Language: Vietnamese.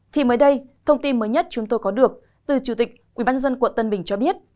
thì mới đây thông tin mới nhất chúng tôi có được từ chủ tịch ubnd quận tân bình cho biết